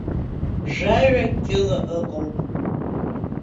Жәаҩа кьыла ыҟоуп!